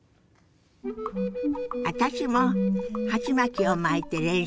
私も鉢巻きを巻いて練習するわよ。